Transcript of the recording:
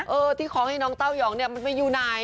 เออที่ขอให้น้องเต้ายองเนี่ยมันไปอยู่ไหน